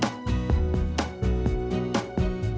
nahqué kurang patah masukstyre kan